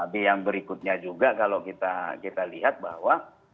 b yang berikutnya juga kalau kita lihat bahwa